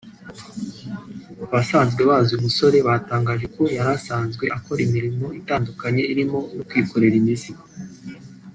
Abasanzwe bazi uyu musore batangaje ko yari asanzwe akora imirimo itandukanye irimo no kwikorera imizigo